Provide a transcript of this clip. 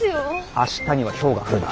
明日にはひょうが降るな。